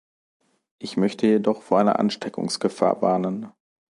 Ich möchte jedoch vor einer Ansteckungsgefahr warnen.